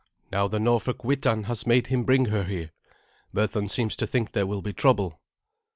Now the Norfolk Witan has made him bring her here. Berthun seems to think there will be trouble."